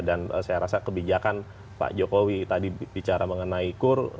dan saya rasa kebijakan pak jokowi tadi bicara mengenai kur